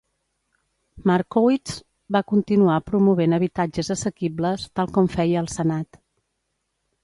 Markowitz va continuar promovent habitatges assequibles, tal com feia al Senat.